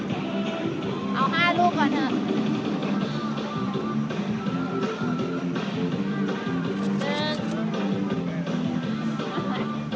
ตรงตรงตรงตรงตรง